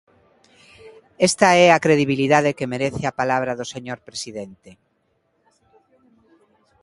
Esta é a credibilidade que merece a palabra do señor presidente.